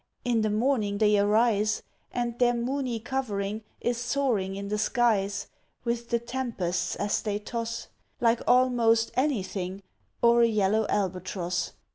In the morning they arise, And their moony covering Is soaring in the skies, With the tempests as they toss, Like almost anything Or a yellow Albatross.